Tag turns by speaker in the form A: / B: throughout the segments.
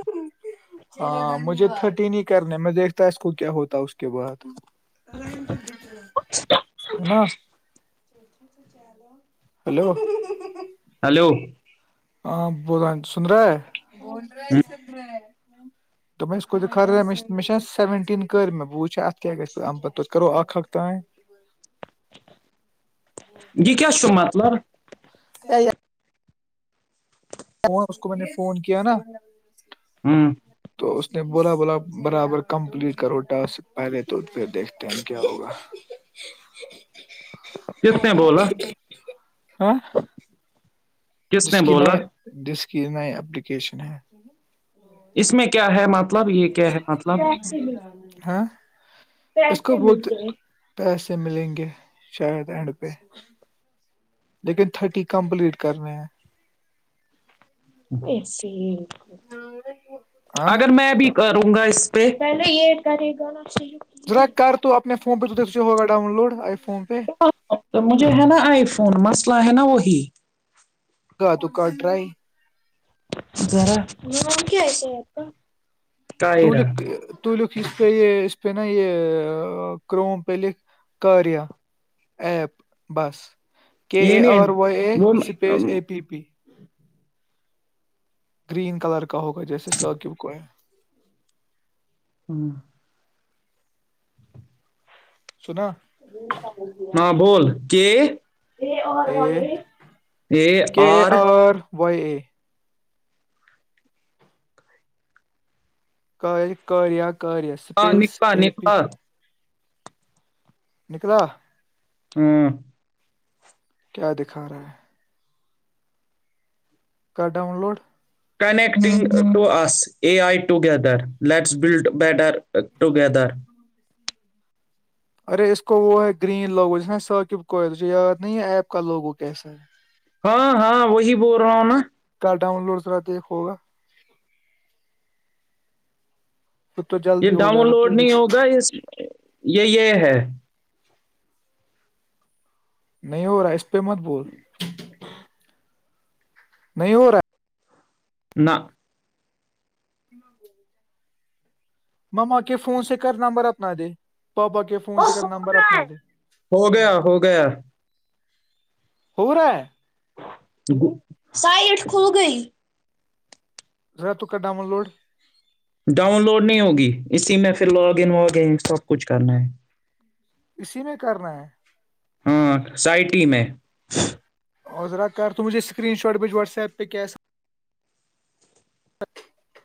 A: [inaudible] ہاں مجھے تھرٹین ہی کرنے میں دیکھتا اس کو کیا ہوتا اس کے بعد
B: [inaudible]
A: نہ ہلو
B: ہلو
A: ہاں بول رہ سن رہے ہے بول رہا ہے سب رہا دوپم اس کو خ میں میںشا سیونٹین کرر میں ب وچھ اپ کی گئے ہمم پ تو کرو ا ہق تٮ
B: یہ کی چ مطلب
A: اس کو میں نے فون کیا نا
B: ہوں
A: نہیں بولا بولا برابر کمپلیٹ کرو ٹاسک پہلے تو پھر دیکھتے ہیں کیا ہوگا
B: کس
A: آ
B: نے بولا
A: جا ہاں
B: کس
A: جس
B: نے
A: کی
B: بولا
A: نئے جس کی نئے اپلیکیشن ہے جی
B: اس میں کیا ہے مطلب یہ کیا ہے مطلب
A: ہ اس کو بہت پیسے ملیں گے شاید اینڈ پہ لیکن تھرٹی کمپلیٹ کرنے ہیں
B: ای سے ہی
A: ہاں
B: اگر میں بھی کروں گا اس پہ پہلے یہ کرے گا نا شیک ہے
A: نہیں فون پہ تو د سے ہواؤن لوڈ آ
B: تو مجھے ہے نا آئی فون مس الہ ہے نا وہی
A: تو کاٹ رہاائی
B: ذرا ممک آ ہے آ
A: تلیو تلیو اس پ یہ اس پ نا یہ کرروموم پلک کارییا ایپ بس کے
B: یہ
A: اے
B: نہیں
A: آر وائی اے
B: وہ
A: space A P P green colour کا ہوگا جیسے س کیب کو ہے
B: ہاں
A: سنا
B: ہاں بول کے ا
A: اے
B: آر
A: و ک کریا کیا
B: ہاں
A: سپیس
B: نکلا
A: اے پی
B: نکلا
A: پی نکتا
B: ہاں
A: کیا دکھا رہا ہے کر ڈاؤن لوڈ
B: کنیکٹنگ ٹو اسس A I together let's build better together
A: ارے اس کو وہ ہے گرین لوگو جس نا ثااکب کو ہے تجھے یاد نہیں ہے ایپ کا لوگو کیسا ہے
B: ہاں ہاں وہی بول رہا ہوں نا
A: کل ڈاؤن لوڈ سرا دیکھ ہوگا پھر تو
B: یہ
A: جلدی ہو
B: ڈاؤن
A: جائے گا
B: لوڈ
A: تو بھی
B: نہیں ہوگا یہ یہ ہے
A: نہیں ہو رہا ہے اس پی متبول نہیں ہو رہا ہے
B: نہ
A: مما کے فون سے کر نمبر اپنا دے پاپا کے فون سے کرنا نمبر اپنا دے
B: ہو گیا ہو گیا
A: ہو رہا ہے
B: سائٹ کھل گئی
A: ذرا تو کا ڈان لوڈ
B: ڈاؤن لوڈ نہیں ہوگی اسی میں پھر لاگ ان واگنگ سب کچھ کرنا ہے
A: اسی میں کرنا ہے
B: ہاں سائٹی میں
A: عوذر کر تمجھ یہ اسکرین شاٹ بچ واٹس ایپ پ وق [unintelligible]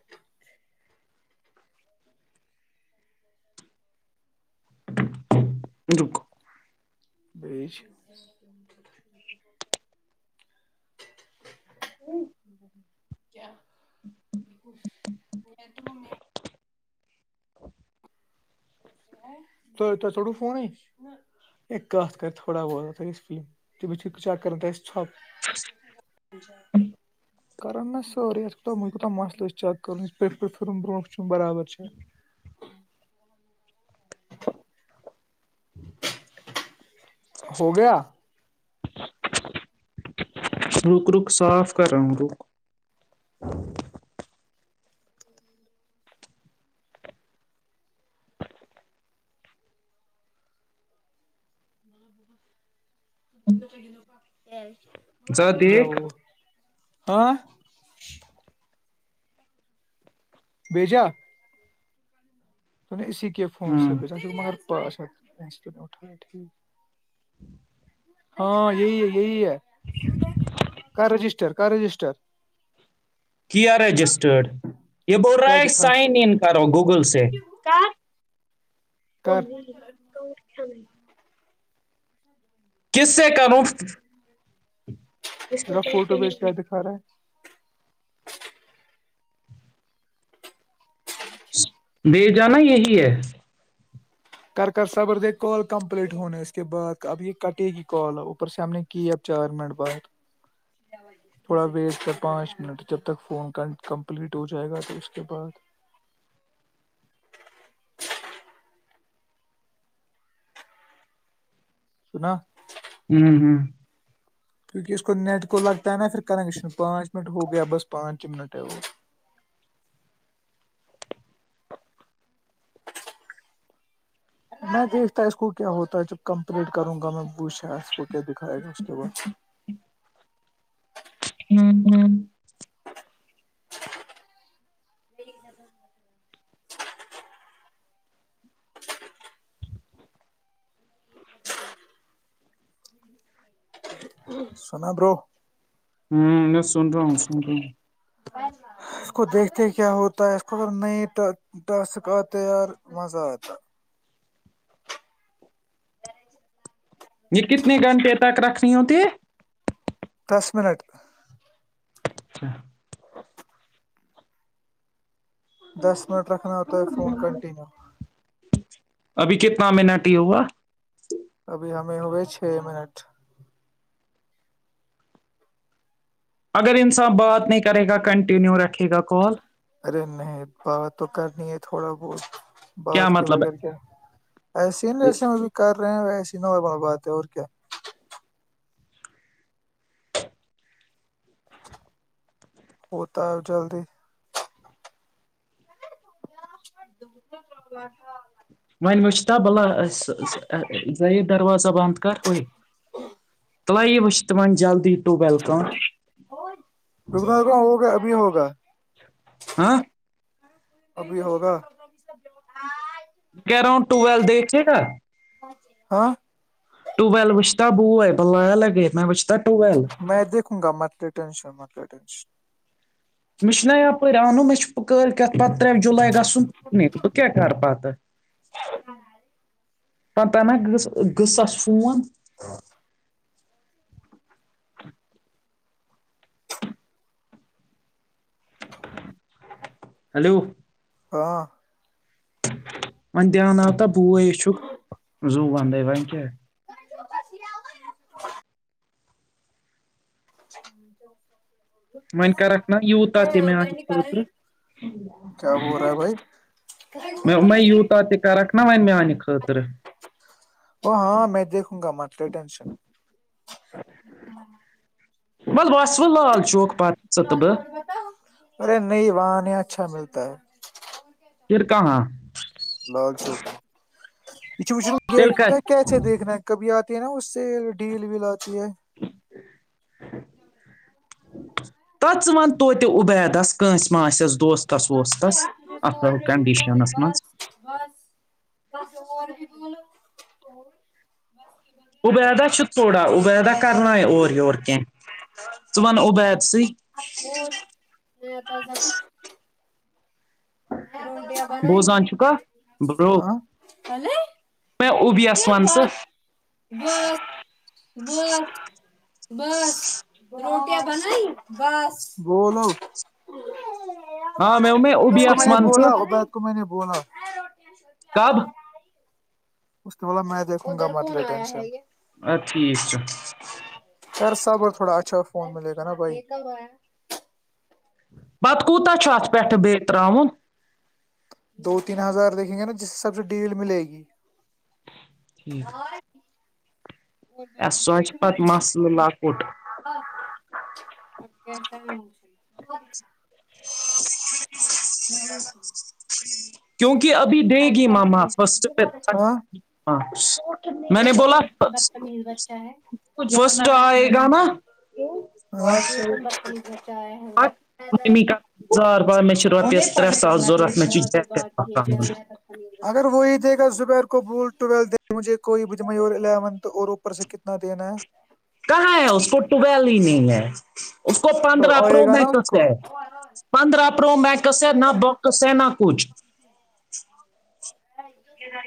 B: رکو
A: بی میں [unintelligible] ڈو فون کر تھوڑا بہت آلم ب چیک کر پ کر ن سوری وہ کوتتا مسئلہ چیک کر پ پلم ب برابر چ ہو گیا
B: رک رک صاف کرا ہوں رک
A: تو ج پ
B: ذرا
A: جؤ
B: دیکھ
A: ہاں بیجا اسی کے فون
B: ہاں
A: سےا ہاں یہی ہے یہ ہے رجسٹر رجسٹر
B: کیا رجسٹرڈ یہ ب
A: کیا
B: رائے
A: دکھا
B: سائن ان کر گ گ گول سے کا کون
A: کر
B: ھ نہیں [unintelligible] کس سے کروں
A: ما فوٹو بیچ کے دکھا رہا ہے
B: بھی جانا یہی ہے
A: کر کر صبر د کال کمپلیٹ ہونے اس کے بعد اب یہ کٹے گی کال اوپر سے ہم نے کی ا چار منٹ بعد تھوڑا ویسٹ کر پانچ منٹ جب تک فون کمپلیٹ ہو جائے گا تو اس کے بعد سنا
B: ہوں ہوں
A: کیونکہ اس کو نیٹ کو لگتا ہے نا پھر کریں کشن پانچ منٹ ہو گیا بس پانچ ہی منٹ ہے وہ میں دیکھتا اس کو کیا ہوتا ہے جب کمپلیٹ کروں گا میں پوچھا اس کیا دکھائے گا اس کے پاس
B: ہوں ہوں
A: سنا برو
B: ہوں میں سن رہا ہوں سن رہا ہوں
A: اس کو دیکھتے کیا ہوتا ہے اس کو اگر نئے ٹاسک آتے یار مزہ آتا
B: یہ کتنے گھنٹے تک رکھنی ہوتی
A: دس منٹ
B: اچھ
A: دس منٹ رکھنا ہوتا ہے فون کنٹینیو
B: ابھی کتنا منٹ ہی ہوگا
A: میں ہو چھ منٹ
B: اگر انسان بات نہیں کرے گا کنٹینیو رکھے گا کال
A: ارے نہیں بات تو کرنی ہے تھوڑا بہت
B: کیا
A: بات کے
B: مطلب
A: بغیر کیا ایسے ہیں نا جیسے وہ بھی کر رہے ہیں ویسے ک ہو ب بات ہے اور کیا ہوتا ہے جلدی درا
B: ونی وشھتا بلاہ زذید دروازہ بند کر ہو
A: ا
B: تلائی و وہھ ت وہ جلدی ٹُوٮ۪ل کان
A: ہو گیا ابھی ہوگا ہوا
B: ہاں
A: ابھی ہوگا
B: گراڈ ٹویل دیکھھیے گا
A: ہاں
B: ٹویل وچتا بوئے بویا لگے میں پچتا
A: میں دیکھوں گا مر ٹینشن م ٹینشن
B: م میں چ ن نہ یاپورر ا انوں م میں چ کولکیۃ پ تریام جلئی گسن پکنک ب کیا کر پتہ
A: ہاں
B: پہ ن گصاس فون ہیلو
A: ہاں
B: ون دھیان آ ہوتا پو چک ز ود ون کیا
A: ہ
B: و کرکھ نا یتا تو میان
A: کیا ہو رہا ہے بھائی
B: خطیوتا تو کرکھ نا و میانہ خطر [unintelligible]
A: او ہاں میں دیکھوں گا مت لے ٹینشن
B: م بسو لال چوک [unintelligible]
A: ہ
B: تہٕ بہٕ
A: اور بتا ارے نہیں وہاں نہیں اچھا ملتا ہے
B: کرک ہاں
A: لال چوک پچ
B: تیٚلہِ کَتہِ
A: پچھ کیاے دیکھنا ہے کبھی آ [unintelligible] ہے نا اس سے ڈھیل بھی لاتی ہے
B: ت ون توتہ ابییدس کونسہ ماسس [unintelligible]
A: ب
B: کَنڈِشَنَس منٛز
A: بس بس بس اور [unintelligible] ولو تو [unintelligible]
B: عبدا چھ تھوڑا [unintelligible] عبیدہ کرن اور ور کی ون عبیدہ [unintelligible]
A: آپ اور ن تازہ [unintelligible] [inaudible]
B: بوزان چکا ب [unintelligible]
A: الے [unintelligible]
B: ژٕ
A: باتست بس [unintelligible] روٹیا بنائی بس بولو
B: آ مےٚ مےٚ
A: [unintelligible] اس کو میں
B: اوبیَس
A: نے
B: وَن ژٕ
A: بولا ا بد کو میں نے بنا [unintelligible]
B: کب
A: اس کے ب میں دیکھوں گا مل ٹینشن [unintelligible]
B: ا ٹھیک [unintelligible]
A: خر سب اور تھوڑا اچھا فون ملے گا نا بھائی
B: پت کوتتا چ اھ پھ بی تران [unintelligible]
A: دو تین ہزار دیکھیں گے نا جس سے سب سے ڈیل ملے گی اور
B: سوچ پت مسلہ لکوٹ [unintelligible]
A: کیسا بہت [inaudible] زدا کیا [inaudible]
B: کیونکہ ابھی دے گی ماما فسٹ پہ
A: ہاں
B: ہاں میں نے بولا فسٹ آئے گا نا [unintelligible] [inaudible]
A: ہاں
B: زار بار م میں چ روپس [inaudible] [unintelligible] تر ساس ضورت میں چ جیکیٹ [unintelligible]
A: اگر وہی دے گا یر کو بول ٹویل دیں مجھے کوئی بجمعور الیونتھ اور اوپر سے کتنا دینا ہے
B: کہاں ہے اس کو ٹوبیل ہی نہیں ہے اس کو
A: تو
B: پندرہ پرو
A: آئے گا نا اس
B: مکس
A: کو
B: ہے پندرہ پرو مکس ہے نہ بوکس ہے نہ کچھ کیاا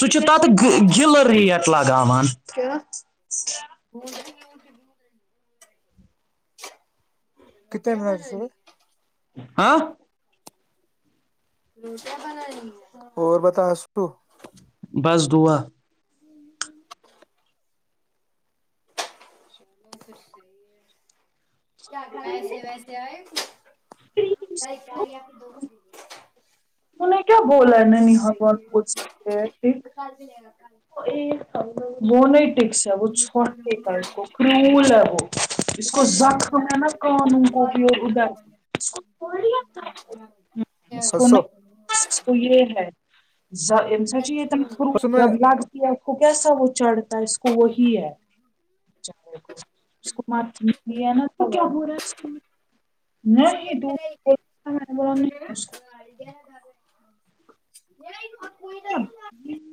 B: سو چ تات گل ریٹ لگان نکار
A: ب کتنے منٹ سے
B: ہاں
A: اور بتا سو
B: بس دعا
A: س کیا گھر ایسے ویسے آئے بائی چاری آ پھر دو بجے
B: انہ کیا بوول نا پو یک س مون وہ چھوٹ اس کرول ہے وہ اس کو زخم ن قانون کوی ادھر اس کو
A: ہسو
B: نہیں تو یہ ہے سچیتنی خو
A: اس میں
B: جب لگتی ہے اس کو کیا سبو چڑ اس کو وہی ہے چے کو اسک مار یہ نا تو کیا ہو رہا اس نہیں نہیں ب نہیں اس کو
A: یہئیت
B: م